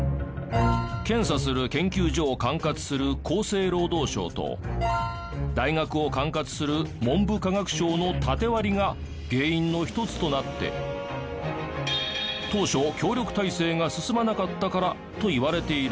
検査する研究所を管轄する厚生労働省と大学を管轄する文部科学省のタテ割りが原因の一つとなって当初協力体制が進まなかったからといわれているんです。